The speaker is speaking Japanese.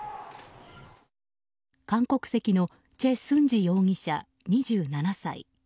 韓国籍のチェ・スンジ容疑者、２７歳。